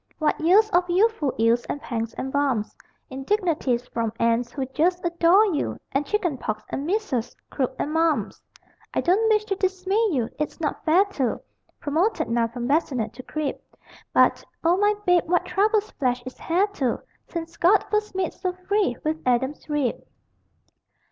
What years of youthful ills and pangs and bumps Indignities from aunts who "just adore" you, And chicken pox and measles, croup and mumps! I don't wish to dismay you, it's not fair to, Promoted now from bassinet to crib, But, O my babe, what troubles flesh is heir to Since God first made so free with Adam's rib!